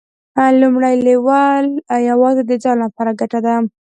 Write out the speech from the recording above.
لومړی لیول یوازې د ځان لپاره ګټه ده.